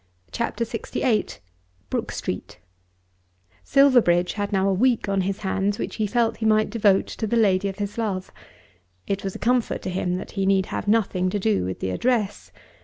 CHAPTER LXVIII Brook Street Silverbridge had now a week on his hands which he felt he might devote to the lady of his love. It was a comfort to him that he need have nothing to do with the address.